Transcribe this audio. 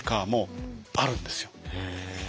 へえ。